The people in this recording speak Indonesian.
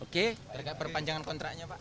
perkara perpanjangan kontraknya pak